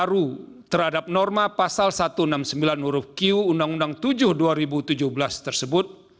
baru terhadap norma pasal satu ratus enam puluh sembilan huruf q undang undang tujuh dua ribu tujuh belas tersebut